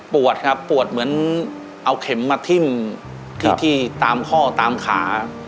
ปวดครับปวดเหมือนเอาเข็มมาทิ้มที่ตามข้อตามขา